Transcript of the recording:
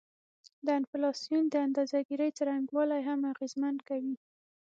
د انفلاسیون د اندازه ګيرۍ څرنګوالی هم اغیزمن کوي